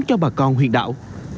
cho bà con huyện đảo